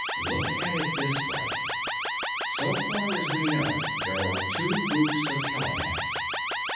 _Look at it this way: So far as we know, there are two Groups of telepaths.